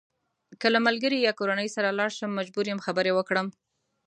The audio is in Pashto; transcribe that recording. که له ملګري یا کورنۍ سره لاړ شم مجبور یم خبرې وکړم.